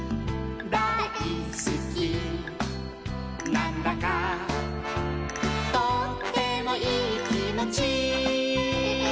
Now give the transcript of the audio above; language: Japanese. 「なんだかとってもいいきもち」